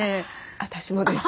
私もです。